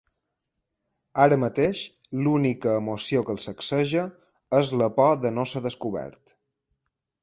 Ara mateix l'única emoció que el sacseja és la por de no ser descobert.